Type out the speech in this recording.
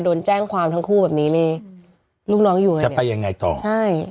โดนแจ้งความทั้งคู่แบบนี้นี่ลูกน้องอยู่จะไปยังไงต่อใช่